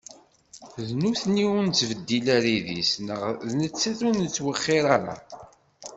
D nutni ur nettbeddil ara idis, neɣ d nettat ur nttwexxir ara?